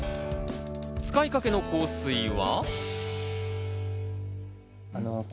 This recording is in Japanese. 使いかけの香水は。